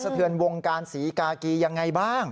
เทือนวงการศรีกากียังไงบ้าง